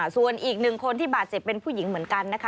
ส่วนอีกหนึ่งคนที่บาดเจ็บเป็นผู้หญิงเหมือนกันนะคะ